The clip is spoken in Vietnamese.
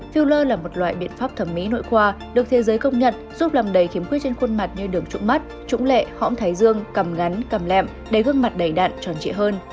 filler là một loại biện pháp thẩm mỹ nội qua được thế giới công nhận giúp làm đầy khiếm khuyết trên khuôn mặt như đường trụng mắt trũng lệ hõm thái dương cầm ngắn cầm lẹm để gương mặt đầy đạn tròn trị hơn